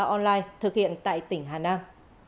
một trăm một mươi ba online thực hiện tại tỉnh hà nam